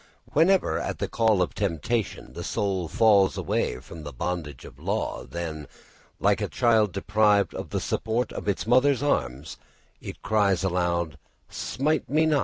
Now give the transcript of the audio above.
Whenever at the call of temptation the soul falls away from the bondage of law, then, like a child deprived of the support of its mother's arms, it cries out, _Smite me not!